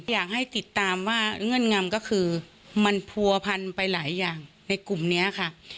อยากให้ติดตามว่าเงื่อนงำก็คือมันผัวพันไปหลายอย่างในกลุ่มนี้ค่ะ